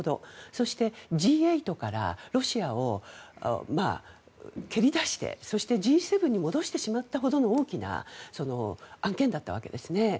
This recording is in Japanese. そして、Ｇ８からロシアを蹴り出してそしてＧ７に戻してしまったほどの大きな案件だったわけですね。